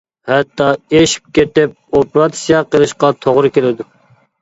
ھەتتا ئېشىپ كېتىپ، ئوپېراتسىيە قىلىشقا توغرا كېلىدۇ.